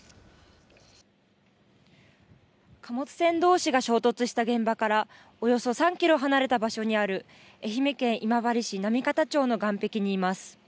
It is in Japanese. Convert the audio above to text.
貨物船どうしが衝突した現場からおよそ３キロ離れた場所にある愛媛県今治市波方町の岸壁にいます。